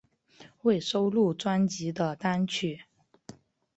未收录专辑的单曲